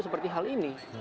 seperti hal ini